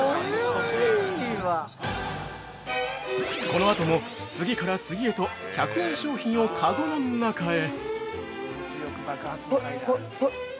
このあとも、次から次へと１００円商品をかごの中へ。